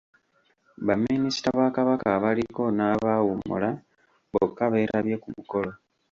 Baminisita ba Kabaka abaliko n'abaawummula bokka beetabye ku mukolo.